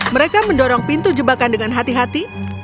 mereka mendorong pintu jebakan dengan hati hati